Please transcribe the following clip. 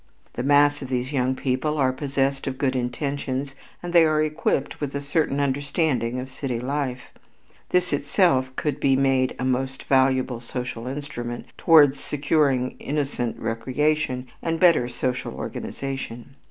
The mass of these young people are possessed of good intentions and they are equipped with a certain understanding of city life. This itself could be made a most valuable social instrument toward securing innocent recreation and better social organization.